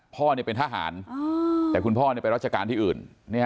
พ่อเป็นทหารแต่คุณพ่อไปรัชการที่อื่น